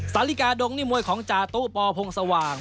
สลิกาดงมวยของจตุปอพงศวาง